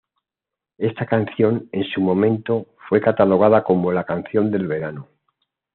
Ésta canción, en su momento, fue catalogada como "la canción del verano".